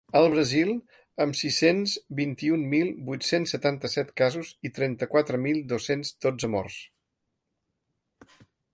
El Brasil, amb sis-cents vint-i-un mil vuit-cents setanta-set casos i trenta-quatre mil dos-cents dotze morts.